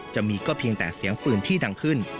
จะมีก็เพียงแต่เสียงปืนที่ดังขึ้น